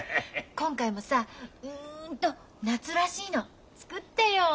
今回もさうんと夏らしいの作ってよ。